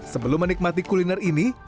sebelum menikmati kuliner ini